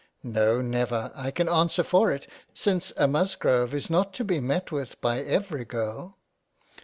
No, never I can answer for it, since a Musgrove is not to be met with by every Girl.